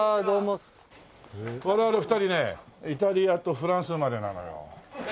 我々２人ねイタリアとフランス生まれなのよ。